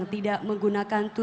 tuhan di atasku